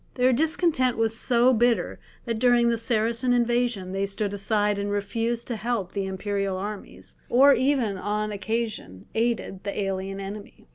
Their discontent was so bitter that during the Saracen invasion they stood aside and refused to help the imperial armies, or even on occasion aided the alien enemy.